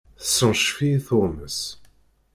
Tessencef-iyi tuɣmest.